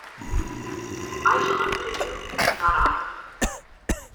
I shall not pity you, not I.